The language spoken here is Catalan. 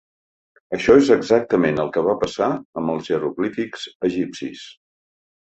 Això és exactament el que va passar amb els jeroglífics egipcis.